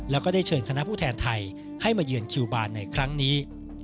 แล้วก็ได้เชิญคณะผู้แทนไทยให้มาเยือนคิวบานในครั้งนี้